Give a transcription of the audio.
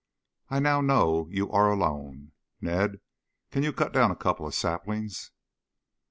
I now know you are alone. Ned, can you cut down a couple of saplings?"